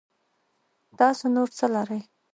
تاسو نور څه لرئ